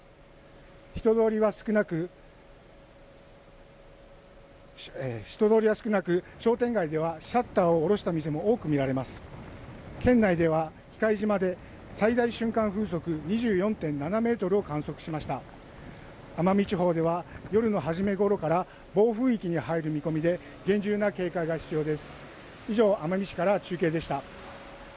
人通りは少なく商店街ではシャッターを下ろした店も多く見られます県内では喜界島で最大瞬間風速２４．７メートルを観測しました奄美地方では夜の初めごろから暴風域に入る見込みで厳重な警戒が必要です